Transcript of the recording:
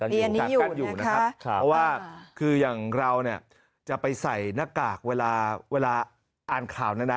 เพราะว่าอย่างเราเนี่ยจะไปใส่หน้ากากเวลาอ่านข่าวนะนะ